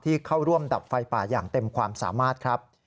เข้าร่วมดับไฟป่าอย่างเต็มความสามารถครับ